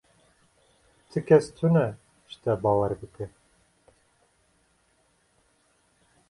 Ti kes tune ji te bawer bike.